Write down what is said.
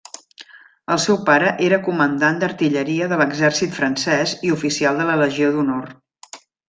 El seu pare era comandant d'artilleria de l'exèrcit francès i oficial de la Legió d'Honor.